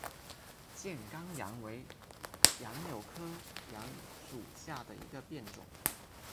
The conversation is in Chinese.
箭杆杨为杨柳科杨属下的一个变种。